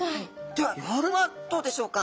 では夜はどうでしょうか？